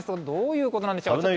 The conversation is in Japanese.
どういうことなんでしょう。